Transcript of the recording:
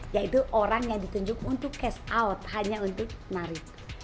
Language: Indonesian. yaitu orang yang ditunjuk untuk cash out hanya untuk menarik